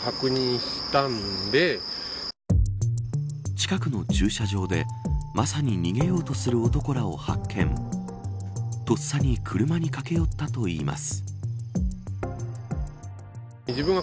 近くの駐車場でまさに逃げようとする男らを発見とっさに車に駆け寄ったといいます。